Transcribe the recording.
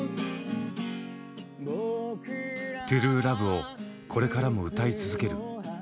「ＴＲＵＥＬＯＶＥ」をこれからも歌い続ける。